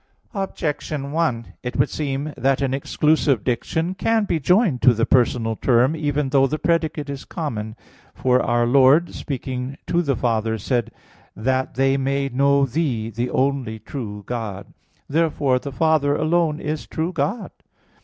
Objection 1: It would seem that an exclusive diction can be joined to the personal term, even though the predicate is common. For our Lord speaking to the Father, said: "That they may know Thee, the only true God" (John 17:3). Therefore the Father alone is true God.